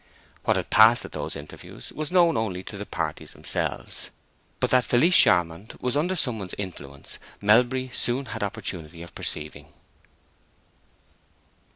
What had passed at those interviews was known only to the parties themselves; but that Felice Charmond was under some one's influence Melbury soon had opportunity of perceiving.